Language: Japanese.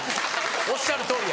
おっしゃるとおりや。